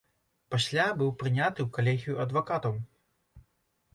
Пасля быў прыняты ў калегію адвакатаў.